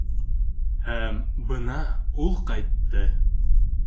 ... Һәм бына ул ҡайтты.